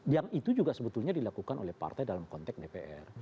yang itu juga sebetulnya dilakukan oleh partai dalam konteks dpr